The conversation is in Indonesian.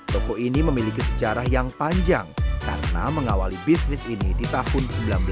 toko ini memiliki sejarah yang panjang karena mengawali bisnis ini di tahun seribu sembilan ratus sembilan puluh